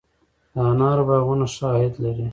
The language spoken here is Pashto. د انارو باغونه ښه عاید لري؟